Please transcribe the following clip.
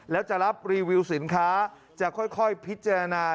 แล้วจะรับรีวิวสินค้าจะค่อยพิจารณา